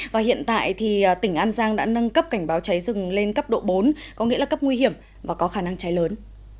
và hiện tại thì tỉnh an giang đã nâng cấp cảnh báo cháy rừng lên cấp độ bốn có nghĩa là cấp nguy hiểm và có khả năng cháy lớn